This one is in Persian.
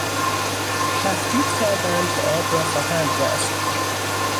تهدید کردند که آب را خواهند بست.